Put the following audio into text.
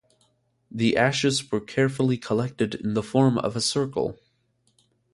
The ashes were carefully collected in the form of a circle.